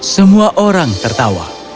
semua orang tertawa